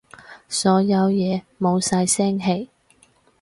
所有嘢冇晒聲氣